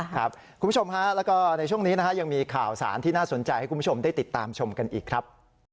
คุณผู้ชมฮะแล้วก็ในช่วงนี้นะฮะยังมีข่าวสารที่น่าสนใจให้คุณผู้ชมได้ติดตามชมกันอีกครับ